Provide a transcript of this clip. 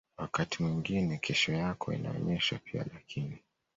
wakati mwingine kesho yako inaonyeshwa pia Lakini